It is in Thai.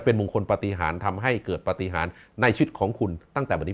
เป็นมงคลปฏิหารทำให้เกิดปฏิหารในชีวิตของคุณตั้งแต่วันนี้